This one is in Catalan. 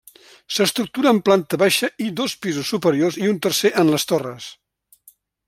S'estructura en planta baixa i dos pisos superiors i un tercer en les torres.